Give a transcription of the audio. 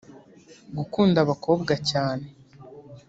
gukunda abakobwa cyane